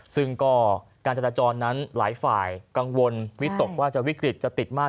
ซึ่งก็การจราจรนั้นหลายฝ่ายกังวลวิตกว่าวิกฤตจะติดมาก